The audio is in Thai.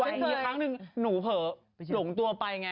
แต่เกิดอย่างนึงหนูเผลอหลงตัวไปไง